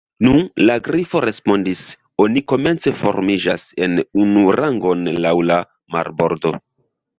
"Nu," la Grifo respondis, "oni komence formiĝas en unu rangon laŭ la marbordo."